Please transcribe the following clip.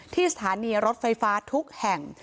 ที่สถานีรถไฟฟ้าทุกแห่ง